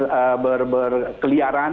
virus virus yang berkeliaran